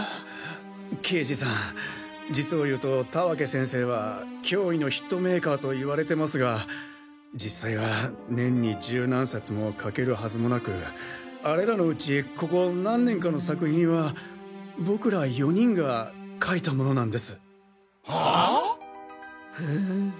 刑事さん実を言うと田分先生は驚異のヒットメーカーと言われてますが実際は年に十何冊も書けるはずもなくあれらのうちここ何年かの作品は僕ら４人が書いたものなんです。はあ？はあ。